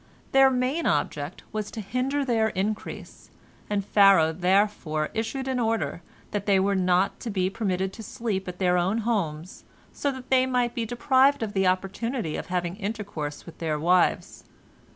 Their main object was to hinder their increase, and Pharaoh therefore issued an order, that they were not to be permitted to sleep at their own homes, that so they might be deprived of the opportunity of having intercourse with their wives.